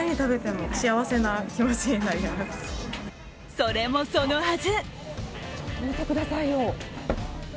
それもそのはず。